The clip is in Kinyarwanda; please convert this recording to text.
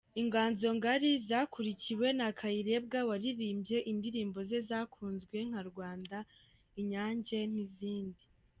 Inganzo ngari zakurikiwe na Kayirebwa waririmbye indirimbo ze zakunzwe nka Rwanda, Inyange n’izindi.